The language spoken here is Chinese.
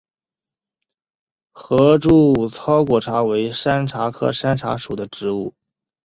合柱糙果茶为山茶科山茶属的植物。